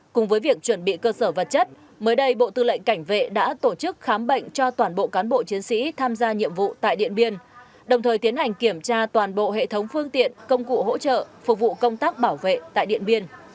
cùng với việc chuẩn bị cơ sở vật chất mới đây bộ tư lệnh cảnh vệ đã tổ chức khám bệnh cho toàn bộ cán bộ chiến sĩ tham gia nhiệm vụ tại điện biên đồng thời tiến hành kiểm tra toàn bộ hệ thống phương tiện công cụ hỗ trợ phục vụ công tác bảo vệ tại điện biên